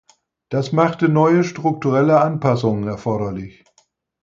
Das machte neue strukturelle Anpassungen erforderlich.